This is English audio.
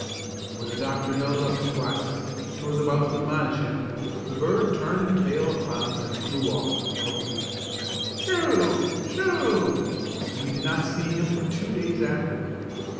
When the doctor held up his glasses, and was about to admonish him, the bird turned tail upon us and flew off, croaking "Sho! Sho!" and we did not see him for two days afterward.